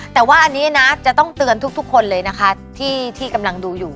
แต่ว่าอันนี้นะจะต้องเตือนทุกคนเลยนะคะที่กำลังดูอยู่